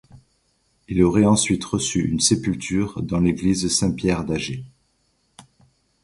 Il aurait ensuite reçu une sépulture dans l'église Saint-Pierre d'Àger.